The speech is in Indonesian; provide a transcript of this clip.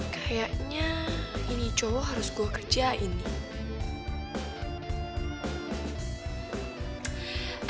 kayaknya ini cowok harus gue kerjain nih